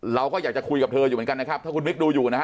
เราก็อยากจะคุยกับเธออยู่เหมือนกันนะครับถ้าคุณมิ๊กดูอยู่นะฮะ